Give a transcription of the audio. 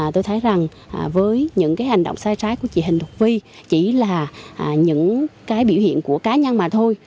tôi thấy rằng với những cái hành động sai trái của chị hình thuộc vi chỉ là những cái biểu hiện của cá nhân mà thôi